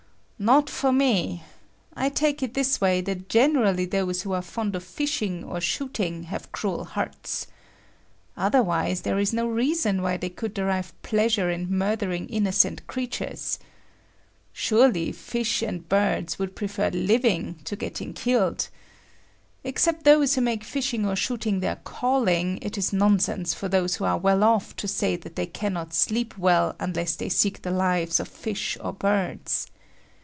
Not for me! I take it this way that generally those who are fond of fishing or shooting have cruel hearts. Otherwise, there is no reason why they could derive pleasure in murdering innocent creatures. Surely, fish and birds would prefer living to getting killed. Except those who make fishing or shooting their calling, it is nonsense for those who are well off to say that they cannot sleep well unless they seek the lives of fish or birds.